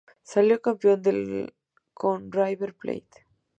Salió campeón del con River Plate.